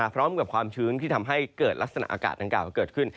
พร้อมกับความชื้นที่ทำให้เกิดลักษณะอากาศต่างกล่าวเกิดขึ้น